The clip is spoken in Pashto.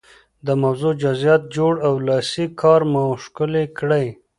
د موضوع جزئیات جوړ او لاسي کار مو ښکلی کړئ.